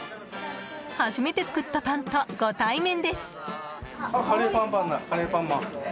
初めて作ったパンとご対面です。